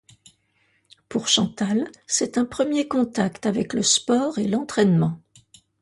Pour Chantal, c’est un premier contact avec le sport et l’entraînement.